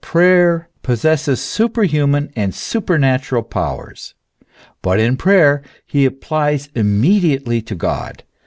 193 prayer possesses superhuman and supernatural powers.* But in prayer he applies immediately to God.